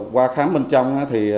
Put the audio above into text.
qua khám bên trong